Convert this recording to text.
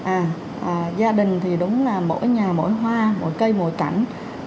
à gia đình thì đúng là mỗi nhà mỗi hoa mỗi cây mỗi cảnh